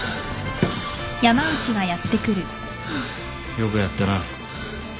よくやったな。